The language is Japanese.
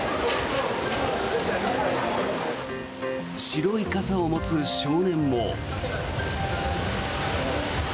白い傘を持つ少年も。